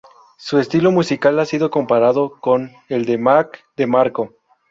Su estilo musical ha sido comparado con el de Mac DeMarco.